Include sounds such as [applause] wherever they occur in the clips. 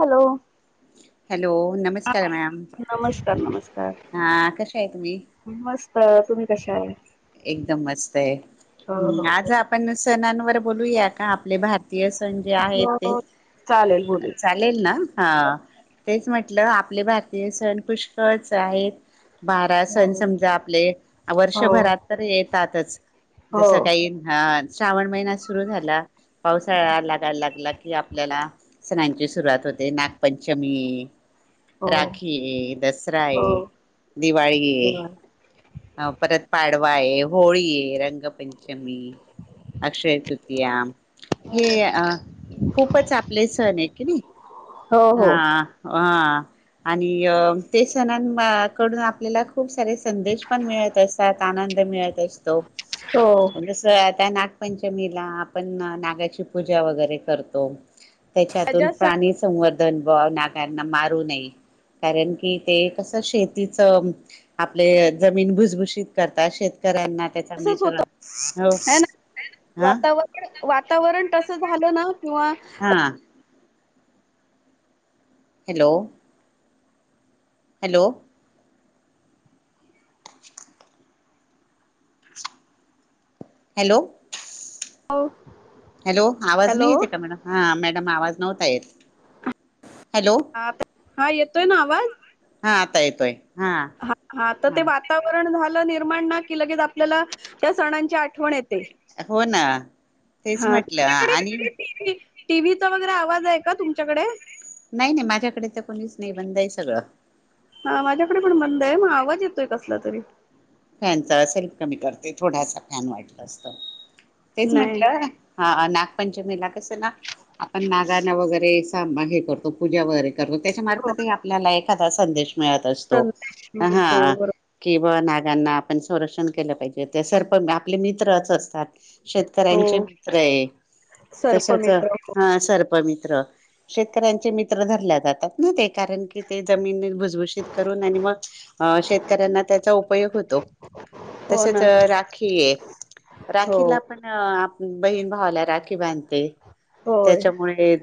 Hello! Hello नमस्कार ma'am नमस्कार हा कश्या आहे तुम्ही. मी मस्त तुम्ही कशा आहे. एकदम मस्त आहे हो हम् हो. आज आपण सणांवर बोलूया का का आपले भारतीय सण जे आहेत ते हो चालेल बोलू. लेल ना ह तेच म्हटलं आपले भारतीय सण पुष्कळच आहेत बारा हो. सण समजा आपले हो वर्षभरात तर येतातच हो जसं काही हा श्रावण महिना सुरु झाला पावसाळा लागायला लागला कि आपल्याला सणांची सुरुवात होते नागपंचमी हो राखी दसरा आहे हो. दिवाळी ये अ परत पाडवा आहे होळी आहे रंगपंचमी अक्षय तृतीया हे अ खूपच आपले सण आहे की नाही हो हो हा हा आणि ते सणां कडून आपल्याला खूप सारे संदेश पण मिळत असतात आनंद मिळत असतो हो. जसं त्या नागपंचमीला आपण नागाची पूजा वगैरे करतो त्याच्यातून माझ्या प्राणी संवर्धनभ नाकारना मारू नये कारण की ते कसं शेतीच आपले जमीन भुसभुशीत करता शेतकऱ्यांना त्याचा तसच मित्र होत हो ह ना हा वातावरण वातावरण तस झालं ना किंवा हां हॅलो हॅलो हॅलो जाऊ हॅलो आवाज नाही येते का मॅडम हा मॅडम आवाज नव्हता येत हॅलो हा हा येतोय ना आवाज हा आता येतोय हा हा तर ते वा वातावरण झालं निर्माण ना कि लगेच आपल्याला त्या सणांची आठवण येते हो ना तेच हा म्हटलं तुमच्याकडे आणि टीव्ही टीव्हीचा वगैरे आवाज आहे का तुमच्याकडे नाही नाही माझ्याकडे तर कोणीच नाही बंद आहे सगळं हा माझ्याकडे पण बंद आहे मग आवाज येतोय कसला तरी फॅनचा सेल्फ कमी करते थोडासा फॅन वाटलं असत तेच नाही म्हटलं हा नागपंचमीला कस ना आपण नागना वगैरे हे करतो पूजा वगैरे कर त्याच्या हो मार्फत आपल्याला एखादा संदेश मिळत तो संदेश हा मिळतो हा किंवा नागांना आपण संरक्षण केलं पाहिजे ते सर्प आपले मित्रच असतात बरोबर शेतकऱ्यांचे हो मित्र आहे तसच सर्पमित्र हो हा सर्प मित्र शेतकऱ्यांचे मित्र धरल्या जातात ना ते कारण की ते जमीन भुजबज ग शेतकऱ्यांना त्या हो तच ना हो पण आप बहीण भावाला राखी बांधते होय त्याच्यामुळे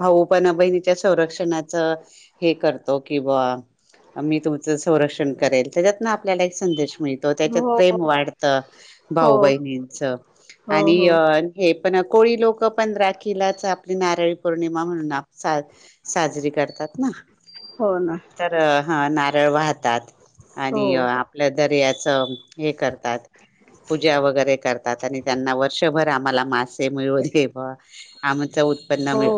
भाऊ पण बहिणीच्या संरक्षणाचं हे करतो कि बा मी तुमचं संरक्षण ेल त्याच्यात ना आप आपल्याला एक संदेश मिळतो त्याच्यात हो प्रेम वाढतं हो भाऊ बहिणींच हो आणि हो हे पण कोळी लोक पण राखीलाच आपली नारळी पौर्णिमा म्हणून सा साजरी करतात ना हो ना तर ह नारळ वाहतात हो आणि आपल्या दर्याचं हे करतात पूजा वगैरे करतात आणि त्यांना वर्षभर आम्हाला मास ते मिळो दे बा आमच उत्पन्न हो मिळ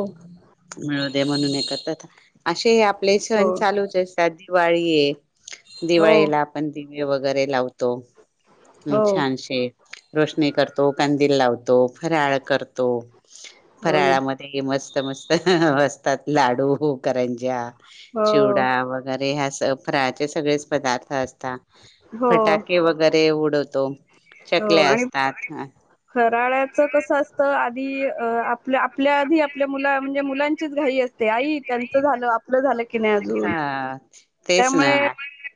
मिळू दे म्हणून एकांतात अशे हे आपले हो सण चालूच असतात दिवाळी ये हो दिवाळी आपण दिवे वगैरे लावतो हम हो छानशे रोशनी करतो कंदील लावतो फराळ करतो हो ना फराळामध्ये मस्त मस्त हं ह असतात लाडू करंजा हो डा वगैरे अस फराळाचे सगळेच पदार्थ असता हो फटाके वगैरे वगैरे उडवतो हो चकले आणि असतात फराळाचं कसं असतं आधी अ आपल्या आपल्या आधी आपल्या मुंला म्हणजे मुलांचीच घाई असते ते आई त्यांच झालं आपलं झालं की नाही अजून हा तेच ना त्यामुळे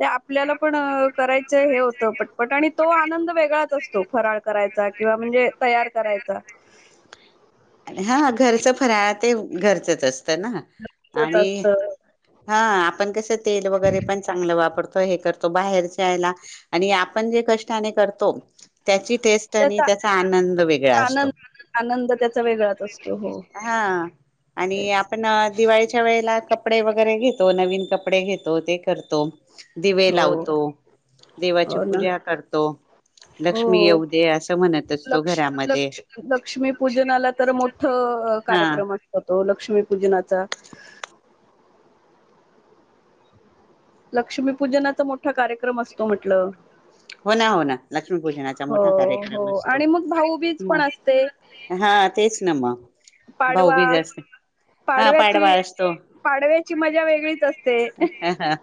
ते आपल्याला पण करायचं हे होतं पटपट आणि तो आनंद वेगळाच अस तो फराळ करायचा किंवा म्हणजे तयार करायचा [unintelligible] हा घरच फराळा ते घरचच असतं ना तसंच आणि असतं. हा आपण कसं तेल वगैरे पण चांगलं वापरतोय हे करतो बाहेरच्याहेला आणि आपण जे कष्टाने करतो त्याची टेस्ट आणि त्याचा आनंद वेगळा आनंद असतो आनंद त्याचा वेगळाच अस हा आणि आपण दिवाळीच्या वेळेला कपडे वगैरे घेतो नवीन कपडे घेतो ते करतो दिवे हो, लावतो देवाची हो ना. पूजा करतो लक्ष्मी हो. येऊ दे असं म्हणत असतो लक्ष घरामध्ये लक्ष लक्ष्मीपूजनाला तर मोठं हा कार्यक्रम असतात तो लक्ष्मीपूजनाचा लक्ष्मीपूजनाचा मोठा कार्यक्रम असतो म्हटलं हो ना हो ना लक्ष्मीपूजनाचा हो, मोठा कार्यक्रम हो असतो आणि मग भाऊबीज पण असते. मग हा तेच ना मग पाडवा भाऊबीज असते हा पाडवा पाडव्याची असतो पाडव्याची मजा वेगळीच असते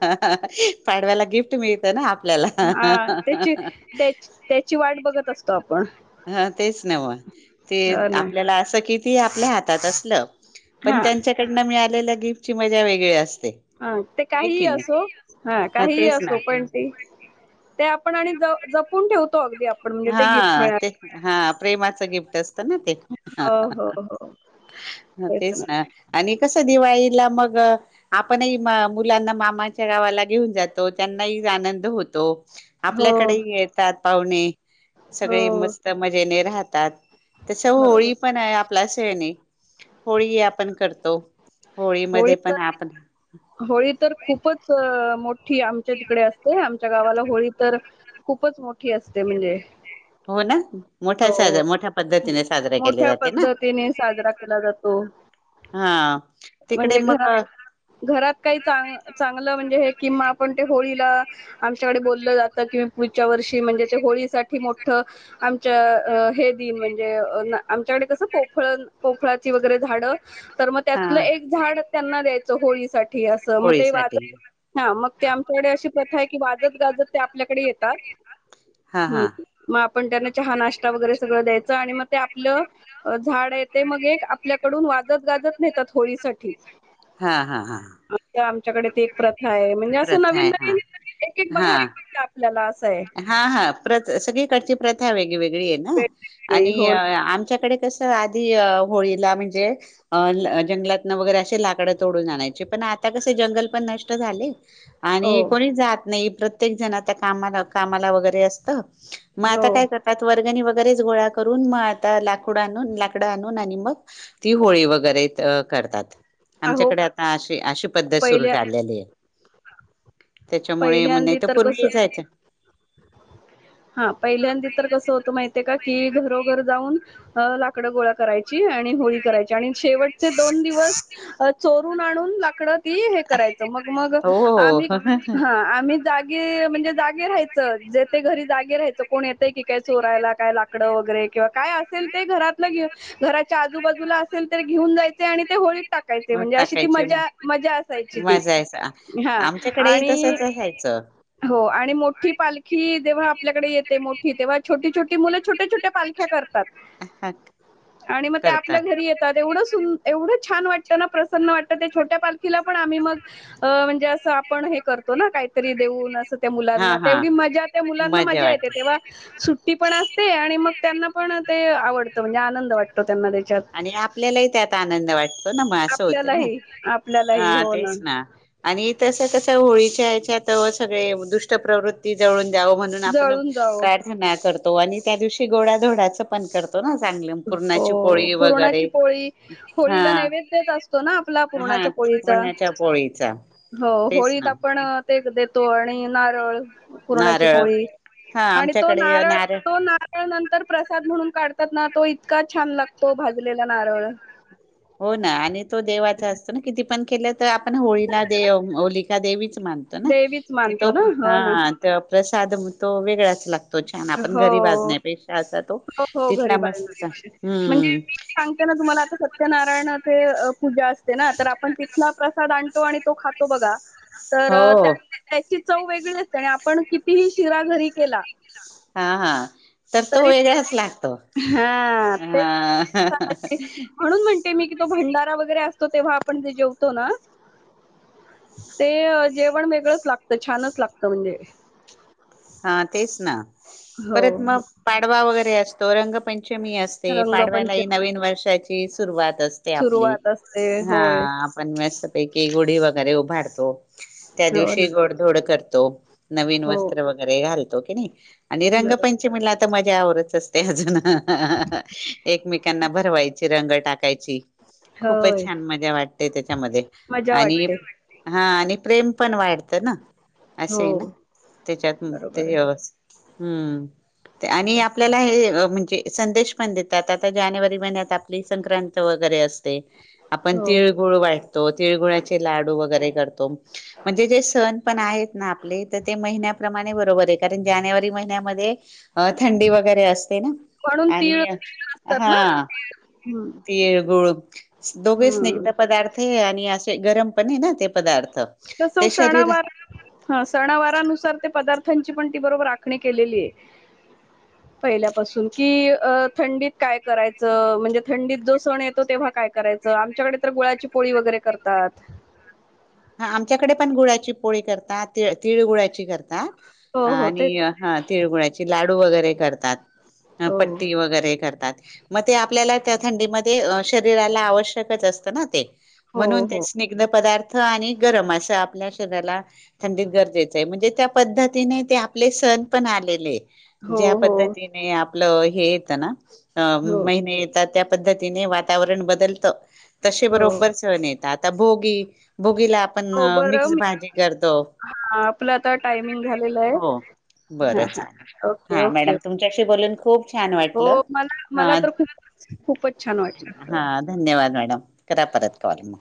हं ह ह पाडव्याला गिफ्ट मिळतं ना आपल्याला हा हा त्याची त्याच त्याची वाट बघत असतो आपण ह तेच नवं ते हो ना आपल्याला असं किती आपल्या हातात असलं पण हा त्यांच्याकडनं मिळालेल गिफ्टची मजा वेगळी असते हा ते हे काहीही की नाही असो हा ह काहीही तेच ना असो पण ते ते आपण आणि ज जप हा ते हा प्रेमाचं गिफ्ट असतं ना ते हो हो हो म तेच ना आणि कस दिवाळीला मग आपणही म मुलांना मामाच्या गावाला घेऊन जातो त्यांनाही आनंद होतो. हो आपल्याकडही येतात पाहुणे हो सगळे मस्त मजेने राहतात तस बरोबर होळी पण आहे आप ल्या सने होळी आपण करतो होळी होळीमध्ये पण तर आपण होळी तर खूपच अं मोठी आमच्या तिकडे असते आमच्या गावाला होळी तर खूपच मोठी असते म्हणजे हो ना मोठ्या साज हो मोठ्या पद्धतीने साजरे केले मोठ्या जाते ना पद्धतीने साजरा केला जातो हा तिकडे म्हणजे घर मग घरात काही चांग चांगलं म्हणजे हे किंवा आपण ते होळीला आमच्याकडे बोललं जातं कि मी पुढच्या वर्षी म्हणजे ते होळीसाठी मोठ आम च्या हे दिन म्हणजे अ न आमच्याकडे कस पोखळन पोखळाची वगैरे झाडं तर मग हा त्यातलं एक झाड त्यांना द्यायचं होळी साठी असं मग ते वाज होळीसाठी हा मग ते आमच्याकडे अशी प्रथाय की, वाजत गाजत ते आपल्याकडे येतात. हा हा हम्म. म आपण त्यांना चहा नाष्टा वगैरे सगळं द्यायचं. आणि म ते आप आपलं झाडय ते मग एक आपल्याकडून वाजत गाजत नेतात होळीसाठी. हा हा हा. आता आमच्याकडे ते एक प्रथाय. म्हणजे असं प्रथा नवीन आहे हा नवीन, एक एक हा बघायला मिळतय. आपल्याला असंय. हा हा. प्रथ सगळीकडची प्रथा वेगळीवेेगळीय ना. वेगवेगळी आणि हो आमच्याकडे कस आधी होळीला म्हणजे अ ल जंगलातन वगैरे असे लाकडं तोडून आणायचे. पण आता कसय, जंगल पण नष्ट झाले. आणि हो कोणी जात नाही. प्रत्येक जण आता कामाला कामाला वगैरे असतं. मग हो आता काय कर त्यात वर्गणी वगैरेच गोळा करून, मग आता लाकूड आणून, लाकडं आणून आणि मग ती होळी वगैरे करतात. अहो आमच्याकडे आता अशी, अशी पद्धत सुरू पहिल्या झालेली आहे. त्याच्यामुळे, म नाही पहिल्यांदी तर कसं पूर्वी जायचं हा, पहिल्यांदी तर कसं होतं माहितीय का? कि घरोघर जाऊन, लाकड गोळा करायची, आणि होळी करायची, शेवटचे दोन दिवस अं चोरून आणून ला तीकड ती हे करायचं. मग मग आम्ही ह. ह. हा आम्ही जागे, म्हणजे जागे राहायचं, जे ते घरी जागे राहायचं. कोण येतय की काय चोरायला काय लाकडं वगैरे, किंवा काय असेल ते, घरातलं घेऊ घराच्या आजूबाजूला असेल तर घेऊन जायचे, आणि ते होळी टाकायचे. मग म्हणजे अशी ती टाकायचे मग मजा, मजा असायची ती. मजायचा हा. आमच्याकडेही आणि तसच असायचं हो आणि मोठी पालखी जेव्हा आपल्याकडे येते. मोठी तेव्हा छोटी छोटी मुलं, छोट्या छोट्या पालख्या कर तात. आणि म ते आपल्या करतात घरी येत एवढं सु, एवढं छान वाटतं ना. प्रसन्न वाटतं, ते छोट्या पाखीला पण आम्ही मग अ म्हणजे असं आपण हे करतो ना, काहीतरी देऊन, असं त्या हा मुलांना हा तेवढी मजा, त्या मुलांना मजा येते तेव्हा. सुट्टी पण असते. आणि मग त्यांना पण ते आवडत. म्हणजे आनंद वाटतो त्यांना त्याच्यात. आणि आपल्यालाही त्यात आनंद वाटतो ना. म असं होतं ना. आपल्यालाही हा आपल्यालाही हो तेच ना. आणि तस कस होळीच्या या्याच्यात, सगळे दुष्ट प्रवृत्ती जळून जाव म्हणून आपण जळून जाओ. प्राथना करतो. आणि त्या दिवशी गोड्याधोडाच पण करतो ना चांगलं. पूर्णाची हो पोळी वगैरे. पुरणाची पोळी हा. होळीला नैवेद्यच असतो ना आपला हा पुरणाच्या पोळीचा पुरणा च्या पोळीचा. हो तेच होळीत ना आपण ते देतो. आणि नारळ. पुरणाची नारळ पोळी. हा आणि तो आमच्याकडे नारळ. तो नारळ. नारळ नंतर प्रसाद म्हणून काढतात ना. तो इतका छान लागतो. भाजलेला नारळ. हो ना, आणि तो देवाचा असतो ना. किती पण केलं तर आपण होळीला दे होलिका देवीच मानतो. ना. देवीच तो, मानतो ना हो ना हा प्रसाद तो वेगळाच लागतो. तो छान. आपण घरी हो भाजण्या पेक्षा असा तो हो, हो. घरी तिथला मस्तच. बालनिरीक्षण. म्हणजे हम्म. मी सांगते ना तुम्हाला आता. सत्यनारायण पूजा असते ना. तर आपण तिथला प्रसाद आणतो. आणि तो खातो बघा. तर हो त्या त्याची चव वेगळी असते. आणि आपण कितीही शिरा घरी केला. हा हा. तर तो वेगळाच लागतो. हां. तेच ते मी कि तो भंडारा वगैरे असतो. तेव्हा आपण जे जेवतो ना. ते जेवण वेगळंच लागतं. छानच लागतं म्हणजे. हा तेच ना. हो, परत हो. मग पाडवा वगैरे असतो. रंगपंचमी असते. ते पाडव्यालाही रंगपंचमी नवीन वर्षाची सुरुवात असते आपली सुरुवात असते. हा होय. पण मस्तपैकी गुढी वगैरे उभारतो त्या हो दिवशी ना. गोडधोड करतो नवीन हो. वस्त्र वगैरे घालतो की नाही आणि बरोबर. रंगपंचमीला आता मजा आवरच असत ते अजून एकमेकांना भरवायची रंग टाक य खूपच होय. छान मजा वाटते त्याच्यामध्ये मजा आणि वाटते. हा, आणि प्रेम पण वाढतं ना, असे हो, नाऽ त्याच्यात बरोबर आहे. ते्, आणि तेच, आपल्याला,, तेच. हे म्हणजे संदेशऽ पन देतात, आता जानेवारी महिन्यात आपली संक्रांत वगैरे असते,, आपन हो, तिळऽ तिळगुळ वाटतो, तिळगुळाचे लाडू वगैरे करतो. म्हणजे जे सण पण आहेत ना आपले, तर ते महिन्याऽ माणे बरोबर आहे, कारण जानेवारी महिन्यामध्येऽ अ थंडी वगैरे असते ना,, म्हणून तीळ आणि कृष्ण असतात ना हा,, तीळ. हं, तिळगुळ दोघे हं. स्नग्ध पदार्थ ते आणि असे गरम पणे ना ते पदार्थ तस ते शरीर सणावार हा सणावारनुसार ते पदार्थांची पण ती बरोबर राखणी केलेली आहे [inaudible] पहिल्यापासून की अ थंडीत काय करायचं म्हणजे थंडीत जो सण येत तो तेव्हा काय करायचं आमच्याकडे तर गुळाची पोळी वगैरे करतात हा आमच्याकडे पण गुळा्याची पोळी करतात त तिळ गुळा्याची करतात हो, हो, आणि तेच. हा तिळगुळ्याची लाडू वगैरे करतात हो, पट्टी वगैरे करतात मग ते आपल्याला त्या थंडीमध्ये शरीराला आवश्यकच असतं ना ते हो, म्हणून ते हो. स्निग्ध पदार्थ आणि गरम असं आपल्या शरीराला थंडीत गरजेचं आहे म्हणजे त्या पद्धतीने ते आपले सण पण आलेले हो, ज्या हो, पद्धतीने आपलं हे येत ना हो, महिने येतात त्या पद्धतीने वातावरण बदलत तसे बरोबर हो. सण येत आता भोगी भुगीला आपण हो, बरं मिक्स मी भाजी करतो आपलं आता टायमिंग झालेलं आहे. हो हां, बरं हां. चाले ओके, हा ओके. मॅडम तुमच्याशी बोलून खूप छान वाटलं हो मला ह मला तर खूपच खूपच छान वाटलं हा धन्यवाद मॅडम करा परत कॉल मग